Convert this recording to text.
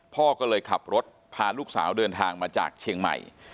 พ่อก็เลยขับรถพาลูกสาวเดินทางมาจากเชียงใหม่